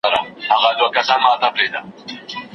د قرنونو توپانونو پښتانه کور ته راوړی